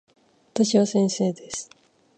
私は先生です。